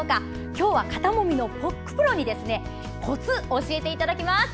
今日は肩もみのプロにこつを教えていただきます。